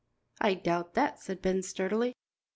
"I doubt that," said Ben sturdily.